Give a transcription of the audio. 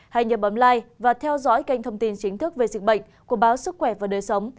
hãy nhấn bấm like và theo dõi kênh thông tin chính thức về dịch bệnh của báo sức khỏe và đời sống